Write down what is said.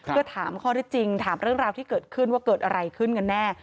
เพื่อถามข้อที่จริงถามเรื่องราวที่เกิดขึ้นว่าเกิดอะไรขึ้นกันแน่